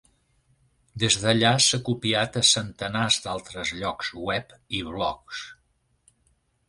Des d'allà s'ha copiat a centenars d'altres llocs web i blogs.